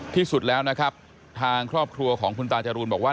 ที่สุดแล้วนะครับทางครอบครัวของคุณตาจรูนบอกว่า